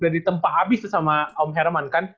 ditempah abis tuh sama om herman kan